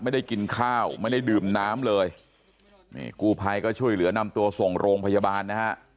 ไม่ได้กินข้าวไม่ได้ดื่มน้ำเลยนี่กู้ภัยก็ช่วยเหลือนำตัวส่งโรงพยาบาลนะฮะ